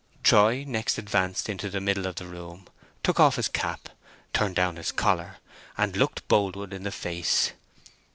Troy next advanced into the middle of the room, took off his cap, turned down his coat collar, and looked Boldwood in the face.